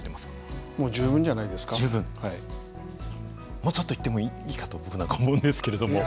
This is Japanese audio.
もうちょっといってもいいかと僕なんか思うんですけれども。